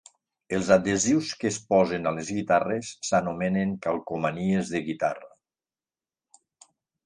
Els adhesius que es posen a les guitarres s'anomenen calcomanies de guitarra.